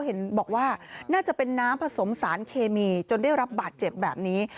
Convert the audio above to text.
เห็นบอกว่าน่าจะเป็นน้ำผสมสารเคมีจนได้รับบาดเจ็บแบบนี้